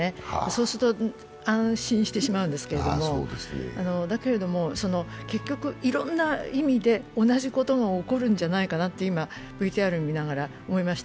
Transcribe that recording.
そうすると安心してしまうんですけどだけれども結局、いろんな意味で同じことが起こるんじゃないかなと、今、ＶＴＲを見ながら思いました。